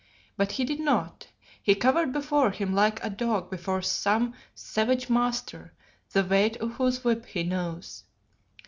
But he did not; he cowered before him like a dog before some savage master, the weight of whose whip he knows.